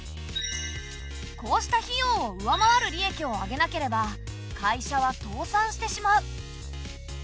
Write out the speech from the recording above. こうした費用を上回る利益を上げなければ会社は倒産してしまう。